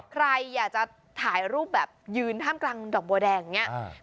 ใครอยากจะถ่ายรูปแบบยืนท่ามกลางดอกบัวแดงอย่างนี้